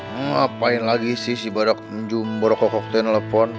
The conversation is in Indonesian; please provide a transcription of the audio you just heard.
ngapain lagi sih si badak menjumbor kokok telepon